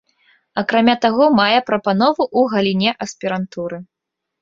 Акрамя таго, мае прапанову ў галіне аспірантуры.